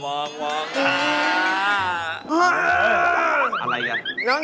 จีบเลย